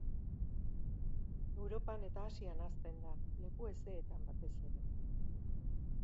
Europan eta Asian hazten da, leku hezeetan batez ere.